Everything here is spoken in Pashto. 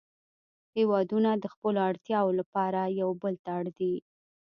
هیوادونه د خپلو اړتیاوو لپاره یو بل ته اړ دي